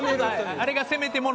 あれがせめてもの。